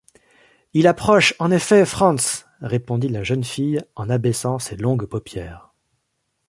Il approche, en effet, Frantz ! répondit la jeune fille en abaissant ses longues paupières.